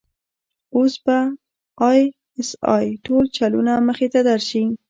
اوس به د آى اس آى ټول چلونه مخې ته درشي.